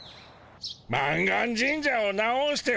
満願神社を直してほしい？